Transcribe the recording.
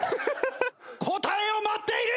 答えを待っている！